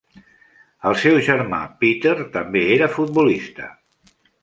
El seu germà, Peter, també era futbolista.